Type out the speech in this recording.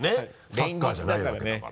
サッカーじゃないわけだから。